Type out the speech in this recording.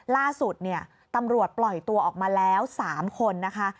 ล่าสุดเนี่ยตำรวจปล่อยตัวออกมาแล้ว๓คนนะคะ